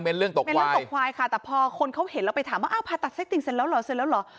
เม้นต์เรื่องตกควายค่ะแต่พอคนเขาเห็นแล้วไปถามว่าอ้าวผ่าตัดไส้ติ่งเสร็จแล้วหรอ